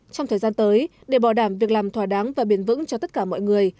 trong thời gian tới để bảo đảm việc làm thỏa đáng và bền vững cho tất cả mọi người